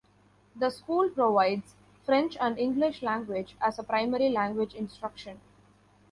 The school provides French and English language as a primary language instruction.